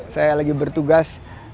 saya lagi bertugas